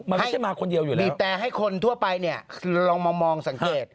มันไม่ใช่มาคนเดียวอยู่แล้วบีบแต่ให้คนทั่วไปเนี่ยลองมองสังเกต